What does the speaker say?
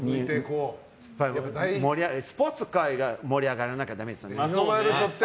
スポーツ界が盛り上がらなきゃだめですよ。